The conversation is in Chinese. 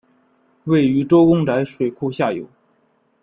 位于周公宅水库下游。